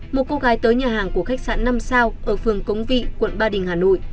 một cô gái tới nhà hàng của khách sạn năm sao ở phường cống vị quận ba đình hà nội